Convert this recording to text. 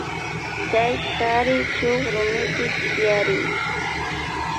Chay kari shuk rumipi tiyarin.